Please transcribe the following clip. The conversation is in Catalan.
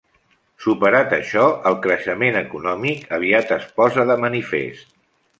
Superat això, el creixement econòmic aviat es posa de manifest.